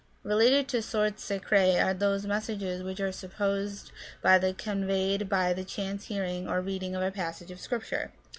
Related to Sortes Sacrae are those messages which are supposed to be conveyed by the chance hearing or reading of a passage of Scripture.